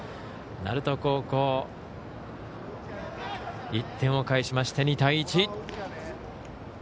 鳴門高校、１点を返しまして２対１。